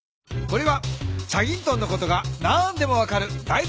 これは『チャギントン』のことが何でも分かるだい